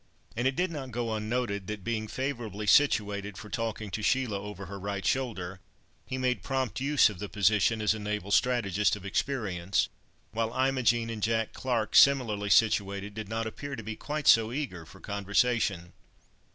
And it did not go unnoted, that, being favourably situated for talking to Sheila over her right shoulder, he made prompt use of the position, as a naval strategist of experience, while Imogen and Jack Clarke similarly situated, did not appear to be quite so eager for conversation.